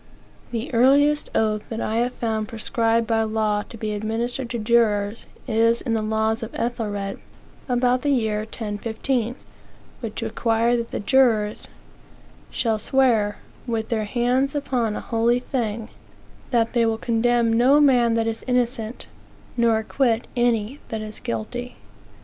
The earliest oath that I have found prescribed by law to be administered to jurors is in the laws of Ethelred, (about the year 1015,) which require that the jurors "shall swear, with their hands upon a holy thing, that they will condemn no man that is innocent, nor acquit any that is guilty."